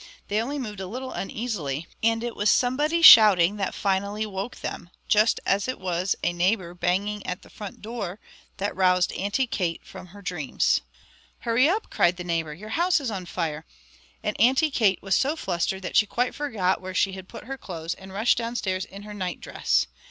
They only moved a little uneasily, and it was somebody shouting that finally woke them, just as it was a neighbour banging at the front door that roused Auntie Kate from her dreams. "Hurry up!" cried the neighbour, "your house is on fire!" and Auntie Kate was so flustered that she quite forgot where she had put her clothes, and rushed downstairs in her nightdress.